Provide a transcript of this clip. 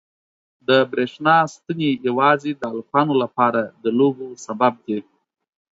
د برېښنا ستنې یوازې د هلکانو لپاره د لوبو سبب دي.